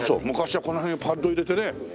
昔はこの辺にパッド入れてね。